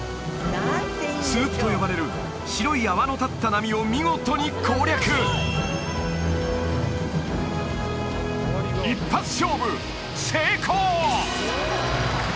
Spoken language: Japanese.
スープと呼ばれる白い泡の立った波を見事に攻略一発勝負成功！